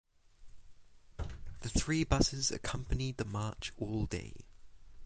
The three buses accompanied the march all day.